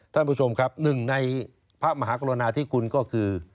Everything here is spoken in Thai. ท่านผู้ชมครับ๑ในพระมหากรุณาที่คุณก็คือ